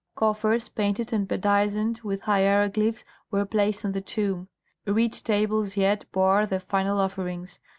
Coffers painted and bedizened with hieroglyphs were placed on the tomb; reed tables yet bore the final offerings.